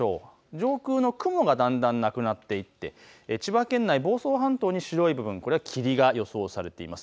上空の雲がだんだんなくなっていって、千葉県内、房総半島に白い霧が予想されています。